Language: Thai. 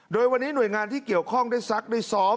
โดยวันนี้หน่วยงานที่เกี่ยวข้องได้ซักได้ซ้อม